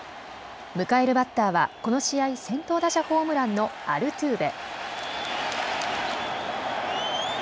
迎えるバッターはこの試合先頭打者ホームランのアルトゥーベ。